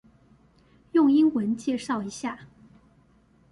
用英文介紹一下